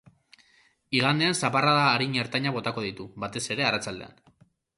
Igandean zaparrada arin-ertainak botako ditu, batez ere arratsaldean.